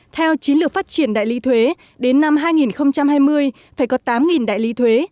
theo chiến lược phát triển đại lý thuế đến năm hai nghìn hai mươi phải có tám đại lý thuế